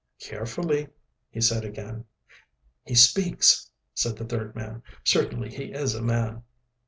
"Carefully," he said again. "He speaks," said the third man. "Certainly he is a man."